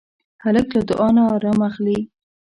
هلک له دعا نه ارام اخلي.